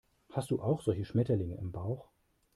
Hast du auch solche Schmetterlinge im Bauch?